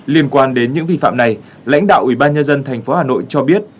liên quan đến những vi phạm này lãnh đạo ủy ban nhân dân tp hà nội cho biết